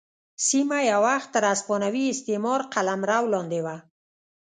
سیمه یو وخت تر هسپانوي استعمار قلمرو لاندې وه.